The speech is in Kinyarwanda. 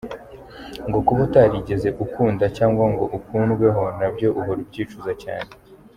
Ngo kuba utarigeze ukunda cyangwa ngo ukundweho nabyo uhora ubyicuza cyane.